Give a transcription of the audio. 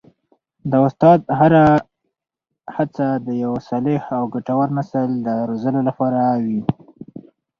د استاد هره هڅه د یو صالح او ګټور نسل د روزلو لپاره وي.